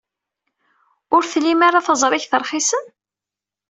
Ur tlim ara taẓrigt rxisen?